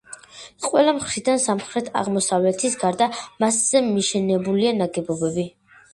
ყველა მხრიდან სამხრეთ-აღმოსავლეთის გარდა მასზე მიშენებულია ნაგებობები.